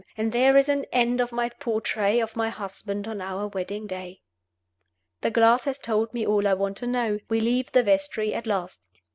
And there is an end of my portrait of my husband on our wedding day. The glass has told me all I want to know. We leave the vestry at last.